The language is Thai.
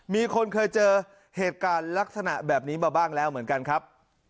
มีคนเคยเจอเหตุการณ์ลักษณะแบบนี้มาบ้างแล้วเหมือนกันครับ